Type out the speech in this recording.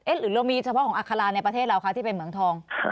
หรือเรามีเฉพาะของอัคราในประเทศเราคะที่เป็นเหมืองทอง